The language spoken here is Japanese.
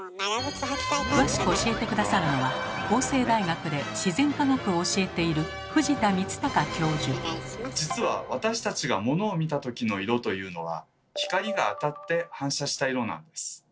詳しく教えて下さるのは法政大学で自然科学を教えている実は私たちが物を見たときの色というのは光が当たって反射した色なんです。